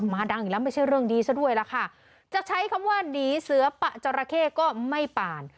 ดังอีกแล้วไม่ใช่เรื่องดีซะด้วยล่ะค่ะจะใช้คำว่าหนีเสือปะจราเข้ก็ไม่ป่าน